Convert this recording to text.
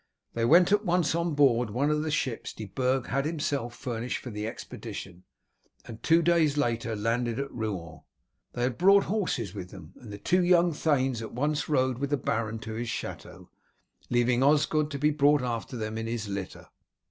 They went at once on board one of the ships De Burg had himself furnished for the expedition, and two days later landed at Rouen. They had brought horses with them, and the two young thanes at once rode with the baron to his chateau, leaving Osgod to be brought after them in his litter.